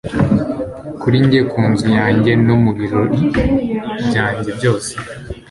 kuri njye ku nzu yanjye no mu birori byanjye byose